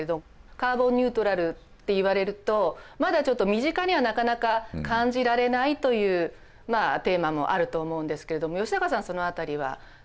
カーボンニュートラルっていわれるとまだちょっと身近にはなかなか感じられないというテーマもあると思うんですけれども吉高さんその辺りはどうですか？